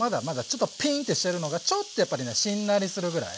ちょっとピーンてしてるのがちょっとやっぱりねしんなりするぐらい。